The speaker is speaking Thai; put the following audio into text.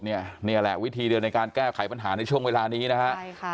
นี่แหละวิธีเดียวในการแก้ไขปัญหาในช่วงเวลานี้นะฮะใช่ค่ะ